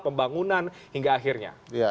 pembangunan hingga akhirnya